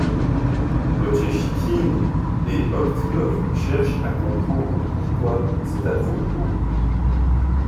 Potchéchikhine et Optimov cherchent à comprendre pourquoi cet attroupement.